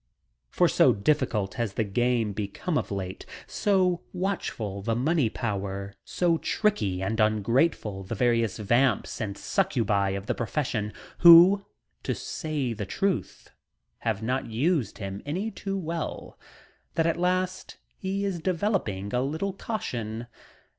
For so difficult has "the game" become of late, so watchful the money power, so tricky and ungrateful the various vamps and succubi of the profession who, to say the truth, have not used him any too well, that at last he is developing a little caution.